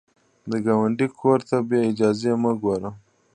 د ګاونډي کور ته بې اجازې مه ګوره